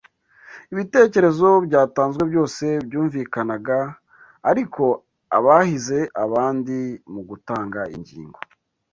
Ibitekerezo byatanzwe byose byumvikanaga ariko abahize abandi mu gutanga ingingo